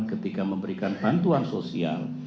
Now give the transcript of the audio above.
ketika memberikan bantuan sosial